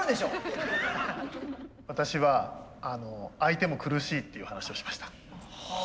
私は相手も苦しいっていう話をしました。